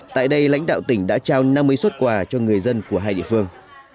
tại đây lãnh đạo tỉnh đã trao năm mươi xuất quà cho người dân của hai địa phương